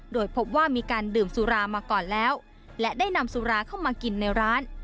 โดยพบว่ามีการดื่มสุรามาก่อนแล้วและได้นำสุราเข้ามากินในร้าน